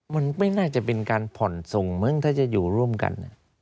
มันไม่น่าจะเป็นการผ่อนส่งมั้งถ้าจะอยู่ร่วมกัน